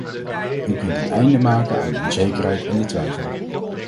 U kunt een einde maken aan de onzekerheid en de twijfel.